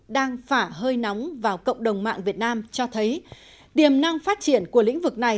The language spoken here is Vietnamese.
đang phả hơi nóng vào cộng đồng mạng việt nam cho thấy tiềm năng phát triển của lĩnh vực này